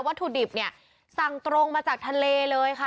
ถุดิบเนี่ยสั่งตรงมาจากทะเลเลยค่ะ